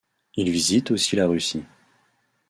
Il visite aussi la Russie.